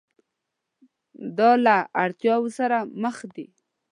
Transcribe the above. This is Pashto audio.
دا له اړتیاوو سره مخ دي.